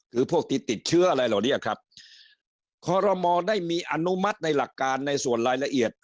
คือพวกที่ติดเชื้ออะไรเหล่านี้ครับคอรมอลได้มีอนุมัติในหลักการในส่วนรายละเอียด